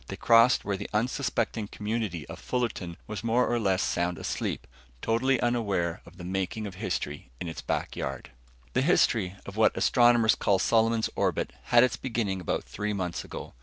They crossed where the unsuspecting community of Fullerton was more or less sound asleep, totally unaware of the making of history in its back yard. The history of what astronomers call Solomon's Orbit had its beginning about three months ago.